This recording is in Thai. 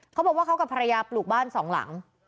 เขาบอกว่าเขากับภรรยาปลูกบ้านสองหลัง